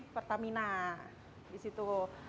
pertamina di situ